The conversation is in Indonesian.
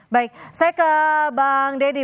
baik saya ke bang deddy